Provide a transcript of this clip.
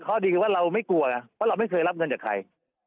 ดีคือว่าเราไม่กลัวไงเพราะเราไม่เคยรับเงินจากใคร